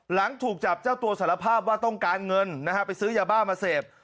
หลังถูกจับเจ้าตัวสารภาพว่าต้องการเงินนะฮะไปซื้อยาบ้ามาเสพ